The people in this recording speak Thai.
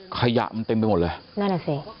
ขยะมันเต็มไปหมดเลย